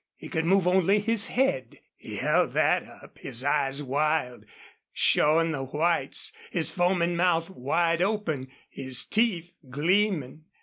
He could move only his head. He held that up, his eyes wild, showing the whites, his foaming mouth wide open, his teeth gleaming.